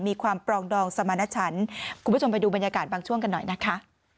มีความปรองดองสมณชันคุณผู้ชมไปดูบรรยากาศบางช่วงกันหน่อยนะคะ